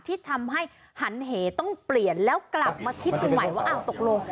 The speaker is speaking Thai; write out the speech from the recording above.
ที่ทำให้หันเหต้องเปลี่ยนแล้วกลับมาคิดดูใหม่ว่าอ้าวตกลง